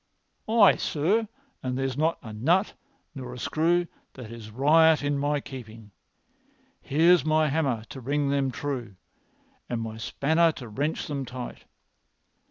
"Aye, sir, and there is not a nut nor a screw that is riot in my keeping. Here's my hammer to ring them true and my spanner to wrench them tight.